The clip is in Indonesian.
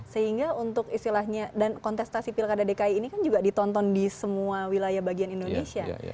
sehingga untuk istilahnya dan kontestasi pilkada dki ini kan juga ditonton di semua wilayah bagian indonesia